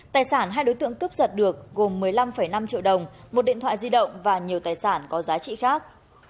tài sản hai đối tượng cướp giật được gồm một mươi năm năm triệu đồng một điện thoại di động và nhiều tài sản có giá trị khác